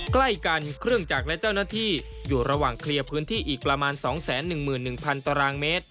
ใกล้กันเครื่องจักรและเจ้าหน้าที่อยู่ระหว่างเคลียร์พื้นที่อีกประมาณ๒๑๑๐๐ตารางเมตร